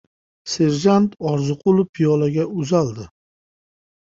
Serjant Orziqulov piyolaga uzaldi.